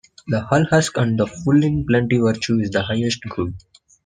The hull husk and the full in plenty Virtue is the highest good.